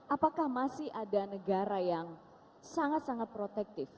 apakah masih ada negara yang sangat sangat protektif